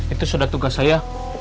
itu sudah tugas saya